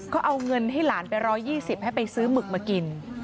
ก็เอาเงินให้หลานไป๑๒๐ให้ไปซื้อหมึกมากิน